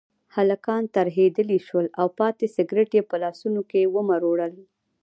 هلکان ترهېدلي شول او پاتې سګرټ یې په لاسونو کې ومروړل.